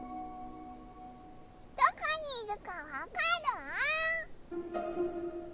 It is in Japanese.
どこにいるかわかる？